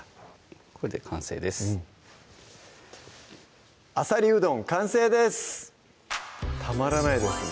これで完成です「あさりうどん」完成ですたまらないですね